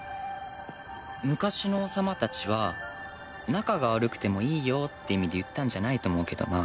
昔の王様たちは仲が悪くてもいいよって意味で言ったんじゃないと思うけどな。